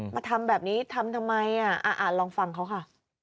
มาทำแบบนี้ทำทำไมลองฟังเขาค่ะ